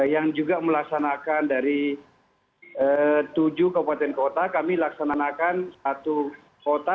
yang juga melaksanakan dari tujuh kabupaten kota kami laksanakan satu kota